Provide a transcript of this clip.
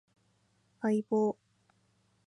相棒